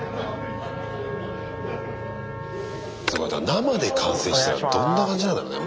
生で観戦したらどんな感じなんだろうね。